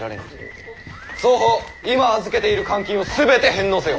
双方今預けている官金を全て返納せよ。